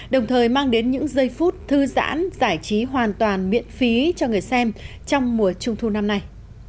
đồng thời mang đến những giây phút thư giãn giải trí hoàn toàn miễn phí cho người xem trong mùa trung thu năm nay